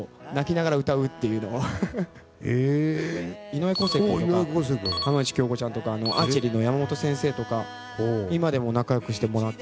井上康生君とか浜口京子ちゃんとかアーチェリーの山本先生とか今でも仲良くしてもらって。